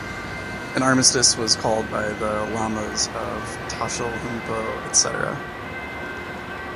An armistice was called by the lamas of Tashilhunpo etc.